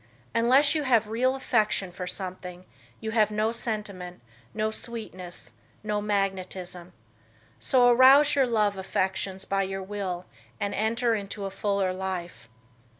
Unless you have real affection for something, you have no sentiment, no sweetness, no magnetism. So arouse your love affections by your will and enter into a fuller life.